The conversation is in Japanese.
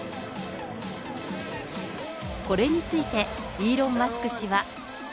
これについて、イーロン・マスク氏は。